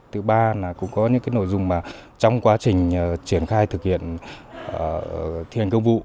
thứ ba là cũng có những nội dung trong quá trình triển khai thực hiện thiền công vụ